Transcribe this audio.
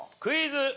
クイズ。